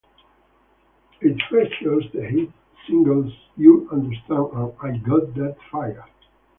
It features the hit singles, "U Understand" and "I Got That Fire".